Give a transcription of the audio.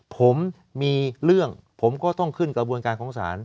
ผมมีเรื่องผมก็ต้องขึ้นกระบวนการของศาล